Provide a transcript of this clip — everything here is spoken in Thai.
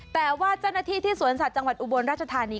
แต่ว่าเจ้าหน้าที่ที่สวนสัตว์จังหวัดอุบลราชธานี